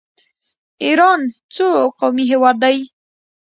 ایران یو څو قومي هیواد دی.